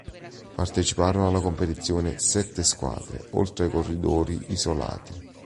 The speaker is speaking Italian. Parteciparono alla competizione sette squadre oltre ai corridori "Isolati".